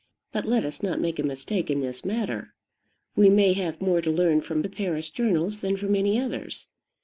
But let us not make a mistake in this matter. We may have more to learn from the Paris journals than from any others.